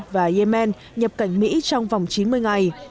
và yemen nhập cảnh mỹ trong vòng chín mươi ngày